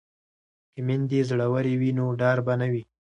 که میندې زړورې وي نو ډار به نه وي.